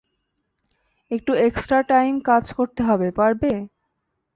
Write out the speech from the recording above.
একটু extra time কাজ করতে হবে, পারবে?